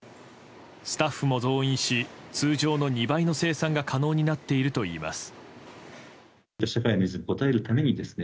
スタッフも増員し通常の２倍の生産が可能になっているといいます。